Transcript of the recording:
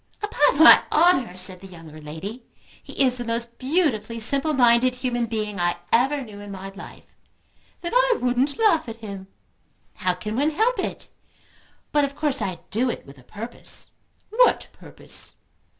"Upon my honour," said the younger lady, "he is the most beautifully simple minded human being I ever knew in my life." "Then I wouldn't laugh at him." "How can one help it? But of course I do it with a purpose." "What purpose?"